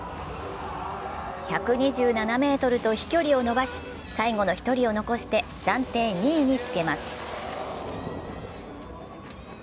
１２７ｍと飛距離を伸ばし、最後の１人を残して暫定２位につけます。